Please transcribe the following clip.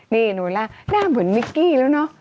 นี่โนล่าหน้าเหมือนมิกกี้แล้วเนอะ